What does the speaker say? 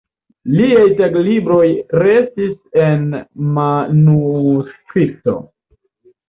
Liaj taglibroj restis en manuskripto.